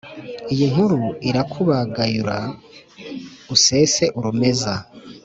Iyi nkuru irakubagayura usese urumeza